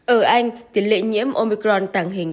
ở anh tỉ lệ nhiễm omicron tàng hình